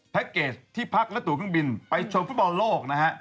เกจที่พักและตัวเครื่องบินไปชมฟุตบอลโลกนะฮะ